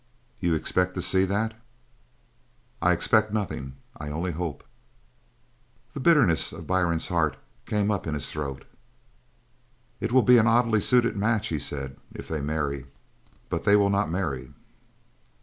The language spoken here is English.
"You expect to see that?" "I expect nothin'. I only hope!" The bitterness of Byrne's heart came up in his throat. "It will be an oddly suited match," he said, "if they marry. But they will not marry."